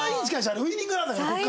あれウイニングランだからここからは。